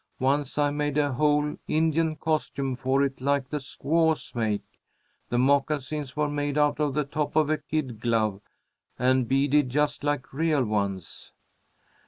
Once I made a whole Indian costume for it like the squaws make. The moccasins were made out of the top of a kid glove, and beaded just like real ones."